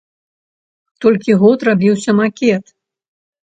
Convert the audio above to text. Толькі год рабіўся макет.